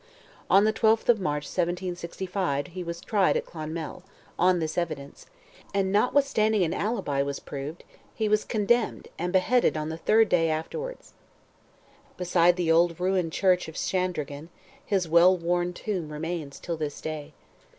On the 12th of March, 1765, he was tried at Clonmel, on this evidence; and notwithstanding an alibi was proved, he was condemned, and beheaded on the third day afterwards. Beside the old ruined church of Shandraghan, his well worn tomb remains till this day.